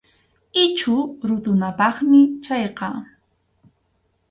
Ichhu rutunapaqmi chayqa.